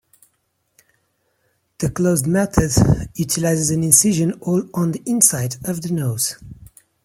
The closed method utilizes an incision all on the inside of the nose.